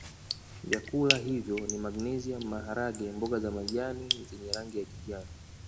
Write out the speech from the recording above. Vyakula hivyo ni magnesium maharage mboga za majani zenye rangi ya kijani